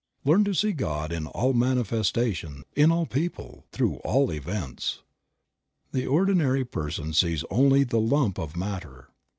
T EARN to see God in all manifestation, in all people, through all events. The ordinary person sees only the lump of matter.